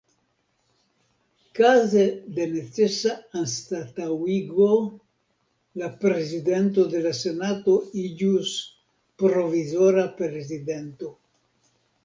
Kaze de necesa anstataŭigo la Prezidento de la Senato iĝus Provizora Prezidento.